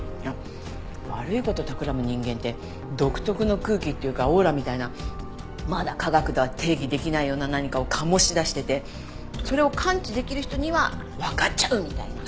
悪い事をたくらむ人間って独特の空気っていうかオーラみたいなまだ科学では定義できないような何かを醸し出しててそれを感知できる人にはわかっちゃうみたいな。